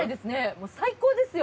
もう最高ですよ。